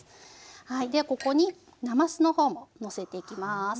はいではここになますの方ものせていきます。